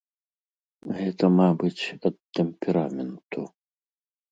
Гэта, мабыць, ад тэмпераменту.